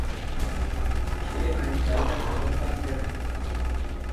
Kê alîkariya kevokan kir?